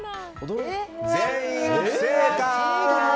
全員不正解！